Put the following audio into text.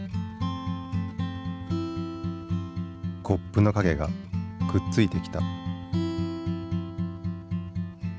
コップの影がくっついてきた。